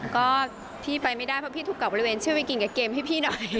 ก็พี่ไปไม่ได้เพราะพี่ถูกกลับบริเวณช่วยไปกินกับเกมให้พี่หน่อย